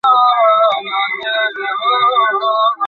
দেখে মনে হচ্ছে সুপারম্যানের সাথে সব ঝামেলা মিটিয়ে ফেলেছ।